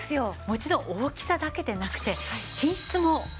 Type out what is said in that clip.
もちろん大きさだけでなくて品質もお墨付きです。